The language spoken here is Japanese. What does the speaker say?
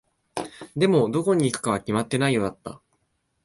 でも、どこに行くかは決まっていないようだった。